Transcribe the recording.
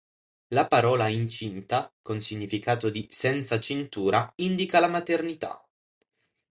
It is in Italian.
La parola "incinta", con significato di "senza cintura", indica la maternità.